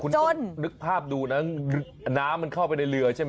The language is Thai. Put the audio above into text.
คุณต้องนึกภาพดูนะน้ำมันเข้าไปในเรือใช่ไหม